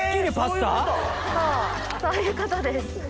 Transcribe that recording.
そういうことです。